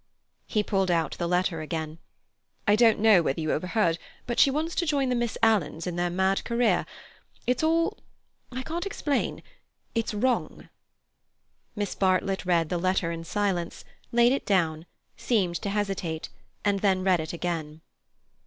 He pulled out the letter again. "I don't know whether you overheard, but she wants to join the Miss Alans in their mad career. It's all—I can't explain—it's wrong." Miss Bartlett read the letter in silence, laid it down, seemed to hesitate, and then read it again.